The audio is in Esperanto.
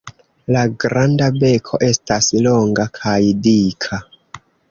La granda beko estas longa kaj dika.